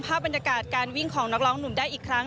ภาพบรรยากาศการวิ่งของนักร้องหนุ่มได้อีกครั้ง